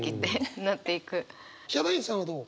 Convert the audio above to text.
ヒャダインさんはどう？